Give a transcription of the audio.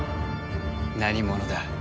何者だ？